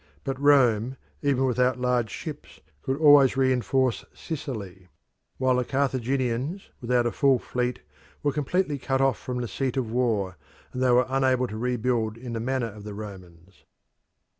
But Rome, even without large ships, could always reinforce Sicily, while the Carthaginians, without a full fleet, were completely cut off from the seat of war, and they were unable to rebuild in the manner of the Romans.